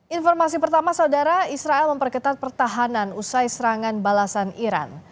informasi pertama saudara israel memperketat pertahanan usai serangan balasan iran